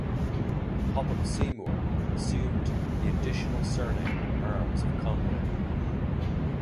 Popham Seymour assumed the additional surname and arms of Conway.